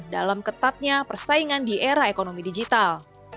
dalam ketatnya persaingan di era ekonomi digital